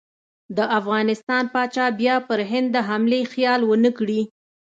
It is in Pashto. د افغانستان پاچا بیا پر هند د حملې خیال ونه کړي.